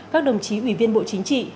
các đồng chí ủy viên bộ chính trị